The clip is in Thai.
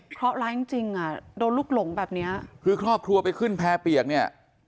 เพราะร้ายจริงจริงอ่ะโดนลูกหลงแบบเนี้ยคือครอบครัวไปขึ้นแพร่เปียกเนี่ย